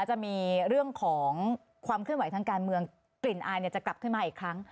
จะมีเรื่องของความเคลื่อนไหวทางการเมืองกลิ่นอายจะกลับขึ้นมาอีกครั้ง